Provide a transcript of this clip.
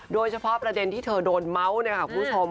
โดยเฉพาะประเด็นที่เธอโดนเม้าท์นะครับคุณผู้ชม